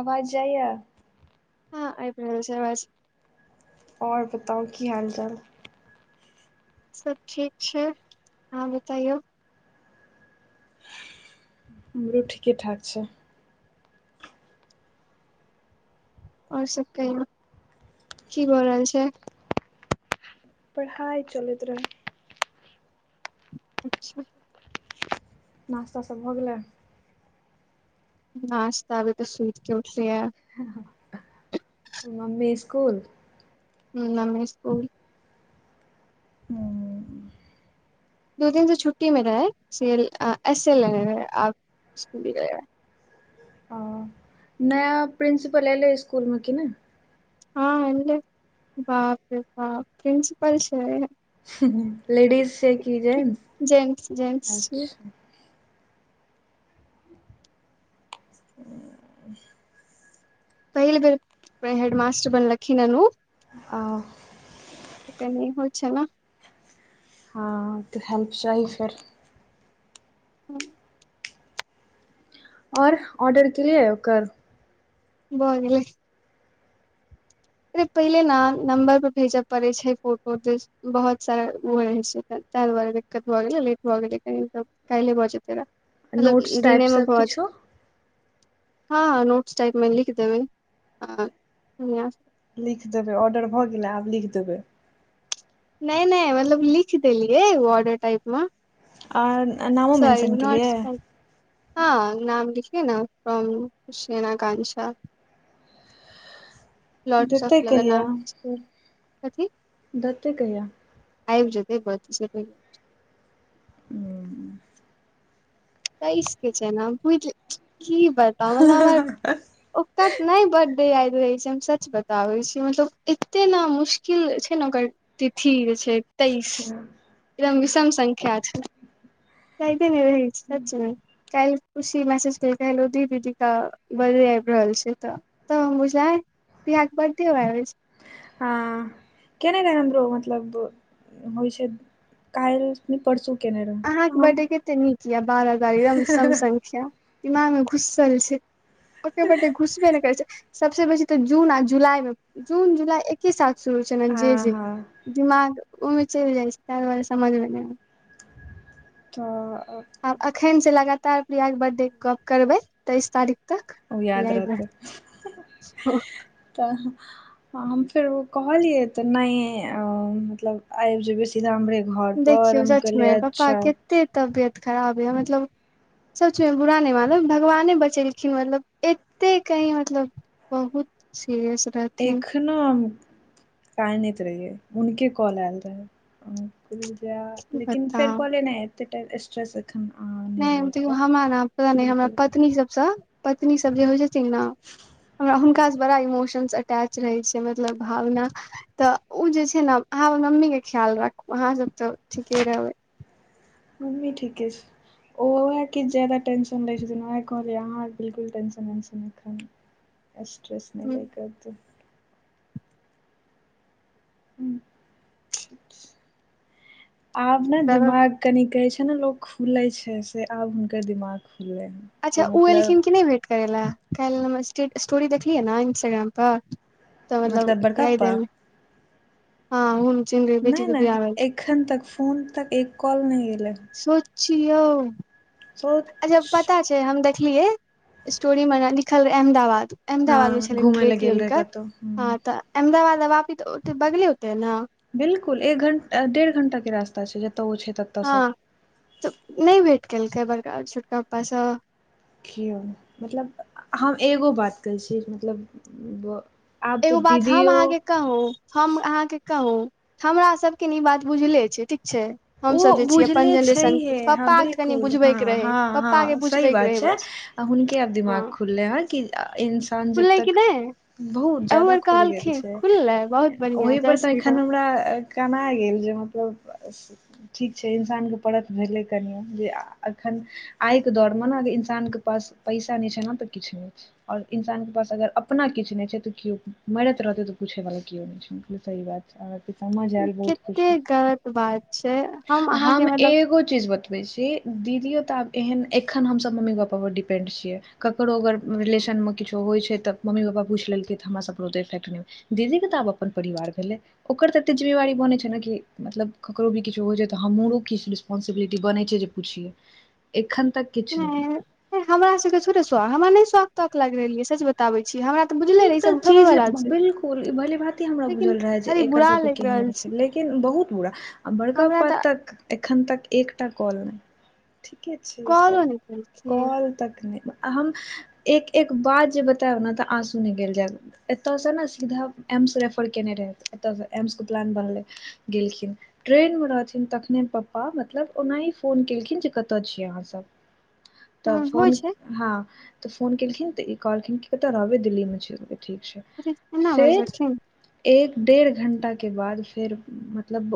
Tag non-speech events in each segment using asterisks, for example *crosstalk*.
आवाज जाइ यऽ हँ आइब रहल छै अवाज और बताउ की हाल चाल सब ठीक छै आहा बतैयो हमरो ठीके ठाक छै और सब कहियो की भऽ रहल छै पढ़ाइ चलैत रहै अच्छह नास्ता सब भऽ गेलै नाश्ता अभी तऽ सुइत के उठलियै हँ हँ मम्मी स्कूल हु मम्मी स्कूल ओ दू दिन से छुट्टी मे रहै सील एस एस एल लेने रहै आब स्कुल गेलै नया प्रिंसिपल एलै स्कुल मे कि नइ हँ एले बाप रे बाप प्रिसिपल छै लेडीज छै की जेन्स जेन्स जेन्स छै *unintelligible* पहिल बेर हेडमास्टर बनलखिन हऽ उऽ आ तऽ टेरनिंग होइ छै ना हँ तऽ हेल्प चाही फेर हु आऔर ऑर्डर केलियै ओकर भ गेलै अरे पहिले न नम्बर पर भेज पड़ै छै फोटो बहुत सारा उऽ ओ रहै छै ताय दुआरे दिक्कत भए गेले लेट भए गेले कनी त काइले भऽ जेतए मतलब नोट्स ई टाइप दिने म सब भऽ जेतै किछो हँ हँ नोट्स टाइपमे लिखि देबै हँ बढ़िया सँ लिख देबै ऑर्डर भऽ गेलै आब लिख देबै नइ नइ मतलब लिख देलियै ऑर्डर टाइप म और नारा मेंशन केलियै टाइप हँ नाम लिखे न फ़्रोम सना आकांक्षा देतै कहिया *unintelligible* कथि देतै कहिया आइब जेतै बस *unintelligible* ओ तइस के छै न बुझ की बताउ मतलब हमर ओकर नइ ब बडे याद रहै छै हम सच बताबै छी मतलब एते न मुश्किल छै न ओकर तिथि जे छै तेइस एकदम विषम संख्या छै यादे नइ रहै छै सचमे काइल खुशी मैसेज केलकै हेलो दी दीदी का बडे आइब रहल छै तऽ तऽ बझलिए आइ प्रया के बड्डे आबै छै हँ केने रहैय हमरो मतलब होइ छै काइल नइ पढ़सू केने रहै अहाँके बर्थडे के कते नीक यऽ बारह बारह एगदम सम संख्या दिमाग मे घुसल छै ओ बे घुसबे ने करै छै सभसँ बेसी तऽ जून आ जुलाईमे जून जुलाइ एकके साथ शुरू छलनि जे हँ जे हँ दिमाग ओहिमे चलि जाइ छै ताहि दुआरे समझमे नहिब छै तऽ आब अखन से लगातार प्रियाके बर्थडे के गप करबै तेइस तारीख त ओ याद रहतै ब फेर कहिय त नहि मतलब आब जेबै सीध हमरे घर पर देखियौ सचमे कहलियै पप्पा अच्छा कते तबियत खराब यै मतलब सभचीजमे बुरा नहि मानब भगवाने बचेलखिन मतलब एतेक कहीँ मतलब बहुत सिरियस रह एखनो हम कानैत रहियै हुनके कॉल आयल रहै ुल जा की लेकिन फेर बताउ बोले न एते स्ट्रसख नहि देख हमरा न पता नहि हम पत्नी सबसँ पत्नी सब जे होइ जेथिन ने *inaudible* हमरा हुनकासँ बड़ा इमोशन्स अटैच रहै छै मतलब भावना तऽ ओ जे छै ने अहाँ अपन मम्मी के ख्याल राखू अहाँ सब तऽ ठीके रहबै म्मी ठीके छै ओहे कछ जादा टेंशन ले छथिनह कहलह बिलकुल टेंशन वेंशन अस्ट्रस म हुँ लै एकू आब ने दिमाग कनि कहे छै ने लोकोग खुले छै से आब हुनकर दिमाग खुललै ह अच्छा ओ एलखिन कि नहि भेट करै लए काल्हि हम स्े स्टोरी देखलियै ने इंस्टाग्रामप तवला मतलब बड़का या पप्पा देमे *inaudible* हँ घुम चिी नहि नहि एखन तक फोन तक एक कॉल नहि एलै छिऔ अच्छा सोच पता छै हम देखलियै स्टोरी मे लिखल रहै अहमदाबाद हँ अहमदाबाद मे छलनि घूमय लए बेटी गेल रहै हुनकर कतहु हूं ह तऽ अहमदाबाद अबापी तऽ ओते बगले ओते ने बिल्कुल एक घंटा डेढ़ घण्टा के रास्ता छै जतय ओ छै त हँ तऽ नहि भेट केलकै बड़का छोटका पप्पा सब कियो मतलब हम एगो बात कहै छी मतलब ब आब तऽ दीदियो कहूं हम अहाँके कहूं हमरा सबके ई बात बुझले छै ठीक छै ओ हमसभ जे छियै अपन बुझले छैहे जेनरेशनके हँ पप्पाके कनि बिलकुल हँ बुझबैके रहै हँ हँ पप्पाके सही बुझबैके बात रहै छै बस हुनके आब दिमाग हँ खुलले ह कि इन्सान जब खुललै कि तक नहि बहुत एहू ज्यादा बेर खुलि गेल कहलखिन छै खुललै बहुत बढ़िआँ ओहि पर जय तऽ श्री एखन राम हमरा कनाय गेल जे मतलब ठीक छै इन्सानके परख भेलै कनियो जे एखन आय के दौर मे न अगर इन्सान के पास पैसा नहि छै न तऽ किछु नहि छै आओर इन्सानके पास अगर अपना किछु नहि छै तऽ केओ मरैत रहतै तऽ पूछैवाला केओ नहि सही बात छै समझ आयल बहुत कते खुशी गलत बात छै अहाँके हम मतलब एगो चीज बतबै छी दीदिओ तऽ आब एहन एखन हमसभ मम्मी पापापर डिपेन्ड छियै ककरो अगर रिलेशनमे किछो होइ छै तऽ मम्मी पापा पुछि लेलकै तऽ हमरासकेँ ओतेक इफेक्ट नहि होयत छै दीदी के तऽ आब अपन परिवार भेलै ओकर तऽ एते जिम्मेवारी बने छै ने कि मतलब ककरो भी किछु होइ छै तऽ हमरो किछु रेस्पोंसबिलिटी बनै छै जे पुछिये एखन तक किछु नहि हमरा सबके छोटे सँ हमरा नहि सौख तौक लागि रहलै सच बताबे छी हमरा तऽ बुझले ई रहै ते सब होबे चीज वला छै बिलकुल ई भली भाती हमरा लेकिन बुझल रहे जे खाली एकर बुरा सब के लागि रहल केहन छै लेकिन बहुत बुरा आ बड़का हमरा पप्पा तऽ तक एखन तक एकटा कॉल नहि ठीके छै तऽ कॉलो नहि केलखिन कॉल तखने हम एक एक बात जे बताबे न आंसू सु नहि गेल जाय एतऽसँ ने सीधा एम्स रेफर केने रहै एतऽसँ एम्सके प्लान बनलै गेलखिन ट्रेनमे रहथिन तखने पापा मतलब ओनाही फोन केलखिन जे कतय छियै अहाँसभ *inaudible* ह तऽ होइ फोन छै हँ तऽ फोन केलखिन तऽ ई कहलखिन कि कतय रहबै दिल्लीमे ठीक छै ऐना बाजे फेर छलखिन एक डेढ़ घण्टाके बाद फेर मतलब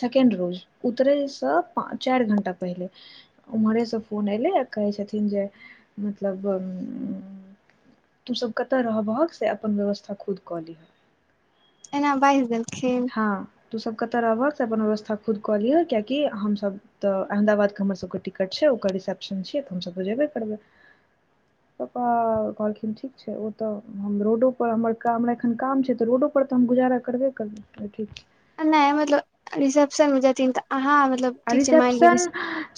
सेकेंड रोज उतरेसँ चारि घंटा पहिले ओम्हरेसँ फोन एलै आ कहै छथिन जे मतलब तुसभ कतय रहबहक से अपन व्यवस्था खुद कऽ लिहऽ एना बाइज देलखिन हँ तू सब कतऽ रहबहक तऽ अपन व्यवस्था खुद कऽ लिह कियाकि हमसभ तऽ अहमदाबादके हमर सभके टिकट छै ओकर रिसेप्शन छियै तऽ हमसभ तऽ जेबे करबै पापा आओर कहलखिन ठीक छै ओ तऽ हम रोडो पर हमर काम एखन काम छै तऽ रोडो पर ऊपर तऽ हम गुजारा करबे करबै ठीक छै ऐ नाय मतलब रिसेप्शन मे जथिन तऽ अहाँ मतलब आ ठीक छै मान ल रिसेप्शन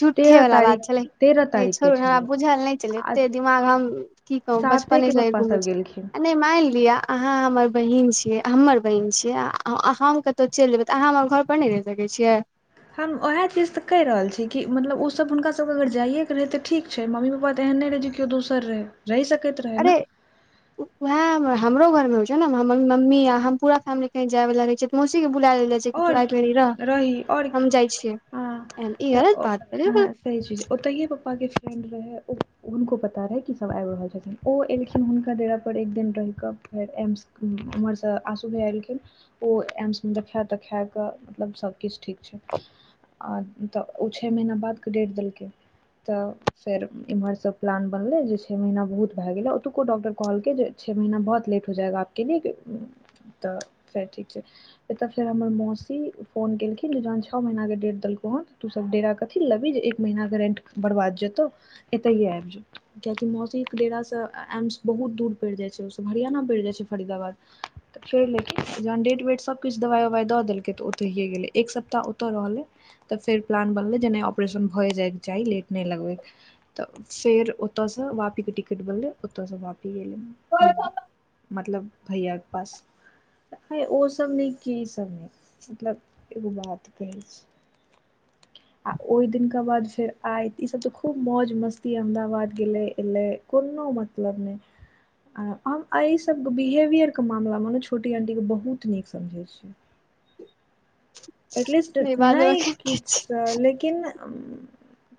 झूठे तेरह वालला तारीख बात तेरह छलै तारीखके छोड़ छलै बुझल नहि आ एते दिमाग हम की कह बचपने सातेके से लग पप्पा घुमै सभ गेलखिन छी नहि मान लिअ अहाँ हमर बहिन छीयै हमर बहिन छीय हम त तऽ चल जेबै त अहाँ हमर घर पर नहि रहि सकैत छियै हम उएह चीज तऽ कहि रहल छी कि मतलब ओसभ हुनकासभके अगर जाइएके रहै तऽ ठीक छै मम्मी पापा तऽ एहने नहि रहे जे केओ दोसर रहे रहि सकैत रहे ने वह हमरो घर में होय छै ने हमर मम्मी या हम पूरा फेमिली कही जायव लागे छै मौसी के बुला ले जे तू आओर आई भरी की रह रही आओर की हम जाइ हँ छियै ई तऽ गलत बात भेलय हँ सही चीज ओतहिए पप्पाके फ्रेंड रहै ओ हुनको पता रहै कि सब आबि रहल छथिन ओ एलखिन हुनका डेरापर एक दिन रहिकऽ फेर एम्स उम्हरसँ आसू भाईया एलखिन ओ एम्समे देखाए तखाए कऽ मतलब सभकिछु ठीक छै आ तऽ ओ छ महीना बादके डेट देलकै तऽ फेर एम्हरसँ प्लान बनलै जे छओ महीना बहुत भए गेलै ओतुको डॉक्टर कहलकै जे छे महीना बहुत लेट हो जाएगापके लि तऽ फर ठीक छै फेर हमर मौसी फोन केलखिन जहन छह महीना के डेट देलकेँ है तूऽ सब डेरा कथी लेबही जे एक महीना के रेंट बरबाद जेतौ तहिय आबजेतौ कियाकि मौसीक के डेरा स एम्स बहुत दुर पड़ि जाय छै हरियाना पड़ि जाय छै फरीदाबाद चेल अलखिन जहन डेट वेट सबकछु दवाइ ववाइ दऽ देलकै तऽ ओतहिये गेलै एक सप्ताह ओतऽ रहलै तऽ फेर प्लान बनलै जे नहि ऑपरेशन भए जाय चाही लेट नहि लगबै तऽ फेर ओते से वापी के टिकट बनले ओते से वाप मतलब भैय के पास ओ सब न की सब नहि मतलब एगो बात कहै छी आ ओहि दिनका बाद फेर आइ ईसभ तऽ खूब मौज मस्ती अहमदाबाद गेलै एलै कोनो मतलब नहि हम एहि सभके बिहेवियरके मामलामे ने छोटी आंटीके बहुत नीक समझै छिए *inaudible* *unintelligible* बादमे नहि कहि किछु स लेकिन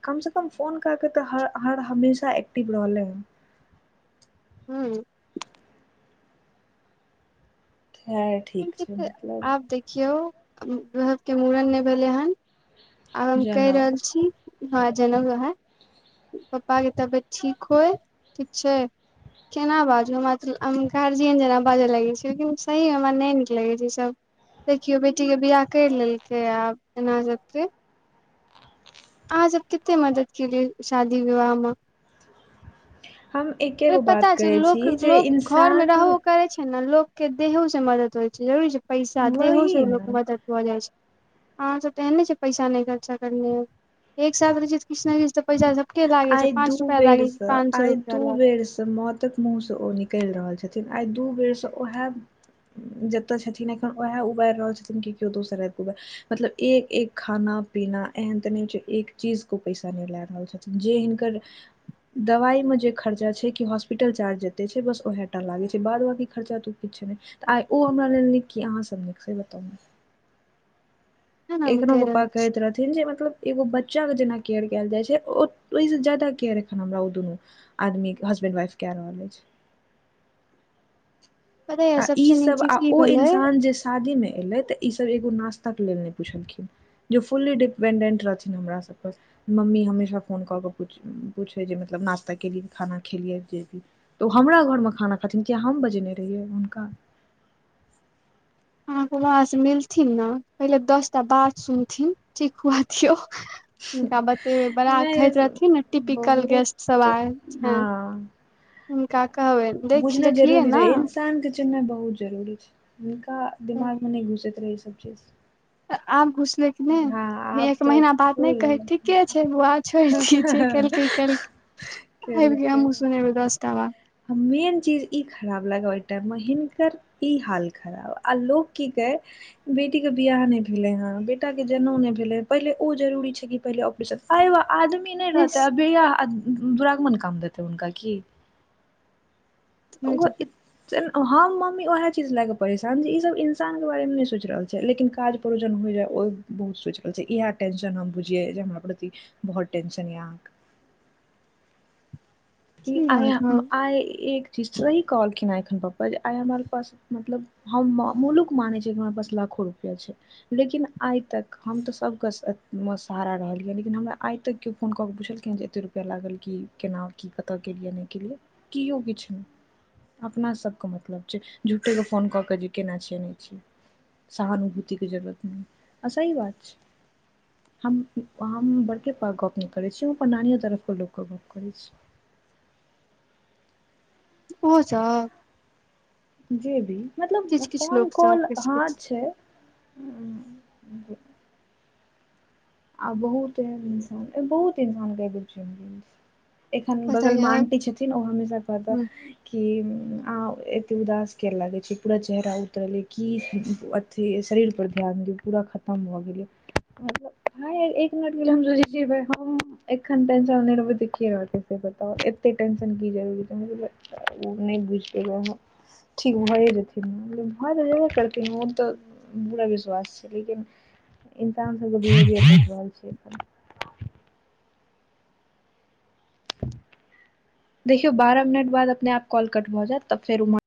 कमसँ कम फोन कए कऽ तऽ हर हमेशा एक्टिव रहलै ह हू हय आब देखियौ वह के मूड़न नहि भेलै हन आब हम कहि जनउ रहल छी ह जनेउ रहा पप्पाके तबियत ठीक होइ ठीक छै केना बाजू हमरा हम गार्जियन जेना बाजय लगै छै लेकिन सही हमरा नहि नीक लगैत छै ईसभ देखियौ बेटीके बियाह करि लेलकै आब एना सभके अहाँ सब केते मदद केलियै शादी विवाह मऽ हम एके गो पता बात छै कहै लोक छी जे लोक घर मे इन्सान रहबो करै छै नऽ लोक के देहो से मदद होइ छै जरूरी छै पैसा देहो वही सऽ लोक ने के मदद भ जाइ छै अहाँ सब तऽ एहेन नय छै कि पैसा नहि खर्चा करने हब एक साथ रहे छै किछ ने किछ तऽ पैसा सबके लागे छै आइ दू पाँच रुपआ बेर लागे कि सऽ पाँच सए आइ रुपआ दू लागे बेर सऽ मौत ततेक मुँहसँ ओ निकलि रहल छथिन आइ दू बेरसँ उएह जतय छथिन एखन उएह उबारि रहल छथिन कि केओ दोसर आब कऽ उब मतलब एक एक खाना पीना एहन ते नहि छै एक चीज को पैसा नहि लए रहल छै जे हिनकर दवाई में जे खर्चा छै कि हॉस्पिटल चार्ज जते छै बस ओहे टा लागे छै बाद बकी खर्चा त किछ नहि तऽ आइ ओ हमरा लेल नीक की अहाँसभ नीक से बताउ तें ने हम एखनो कहि रहल पप्पा छी कहैत रह जे मतलब एगो बच्चा के जेना केयर कयल जाइ छै ओहिसँ जायदा केयर एखन हमरा ओ दुनू आदमी के हसबैंड वाइफ क्य रहल अछि पता य आ ई सबसे नीक सब आ चीज ई ओ भेलै इन्सान जे शादीमे एलै तऽ ई सब एगो नाश्ताक लेल नहि पुछलखिन जे फुलली डिपेंडेंट रहथिन हमरा सभ पर मम्मी हमेशा फोन कऽ कऽ पूछै जे मतलब नाश्ता केलि खाना खेलिय जे भी तऽ ओ हमरा घरमे खाना खेथिन किएक हम बजेने रहियै हुनका अहाँके वहाँसँ मिलथिन न पहिले दस टा बाद सुनथिन ठीक य *unintelligible* हुनका बतेबै बड़ा खहैत नहि रहथिन ने टिपिकल गेस्ट सभ बहुत आय छनि हँ हुनका कहबनि देख देखलियै ने इसान के चिन्हनाइ बहुत जरूरी छै हुनका दिमागमे नहि घुसैत रहै ई सब चीज त आब घुस ले कि हँ नहि आब एक तऽ महीना बाद नहि कहै ठीके छै बौआ छोड़ि दिहि जे केलकै फूल केलकै आयब क केलकै हमू सुनब दसटा बात मेन चीज ई खराब लागय ओहि टाइममे हिनकर ई हाल खराब आ लोको की कहै बेटी के बिआह नहि भेले हे बेटा के जनेउ नहि भेले पहिले ओ जरूरी छै कि पहिले ऑपरेशन अय आदमी नहि हेस रहते अ भैया दुरागमन काम देतै हुनका की ओहो की एत हम मम्मी ओएह चीज लए कऽ परेशान जे ईसभ इन्सानके बारेमे नहि सोचि रहल छै लेकिन काज प्रयोजन होइ जाइ ओ बहुत सोच रहल छै इएह टेन्शन हम बुझियै जे हमरा प्रति बहुत टेंशन य अहाँ कऽ ई आइ बाजब आइ एक चीज सही कहलखिन हेँ एखन पापा जे आइ हमर पास मतलब हम मलूक मानै छियै कि हमरा पास लाखो रुपैआ छै लेकिन आइ तक हम तऽ सभके सहारा रहलियै लेकिन हमरा आइ तक केओ फोन कऽ के पुछलखिन जे एते रुपैया लागल कि केना की कतऽ केलियै नहि केलियै केओ किछु नहि अपनासभके मतलब छै झूठेके फोन कऽ के जे केना छियै नहि छियै सहानुभूति के जरूरत नहि आ सहि बात छै हम हम बड़के पपा गप नहि करै छियौ अपन नानियो तरफ के लोक के गप करै छी ओहो सब जे भी मतलब किछु किछु फोन लोक सब कॉल किछु हँ किछु छै उम्म, आ बहुत एहन इन्सान बहुत इन्सान के एगो चलि गेल छै एखन पता बगलमे य आन्टी छथिन ओ हमेशा कहता कि अहाँ एते उदास कियै लागे छी पूरा चेहरा उतरल यै कि अथि शरीर पर ध्यान दियौ पूरा खतम भऽ गेल यै मतलब हँ यार एक मिनट के लेल हम सोचै छियै एकखन टेंशन नै लेबै के रहते बताउ एते टंशन कि जरूरी भऽ गेलै तऽ उ नहि बुझि पयबै अहाँ ठीक भए जेथिन मतलब भऽ तऽ जेबे करथिन ओ तऽ पूरा विश्वास छै लेकिन इन्सान सबके बिहेवियर देख रहल छियै देखियौ बारह मिनट बाद अपने आप कॉल कट भऽ जैत तब फेर ओमहर